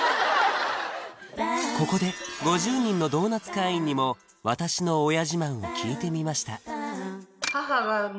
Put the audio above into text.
ここで５０人のドーナツ会員にも私の親自慢を聞いてみました